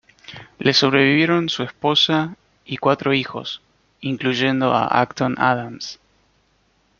Le sobrevivieron su esposa y cuatro hijos, incluyendo a Acton Adams.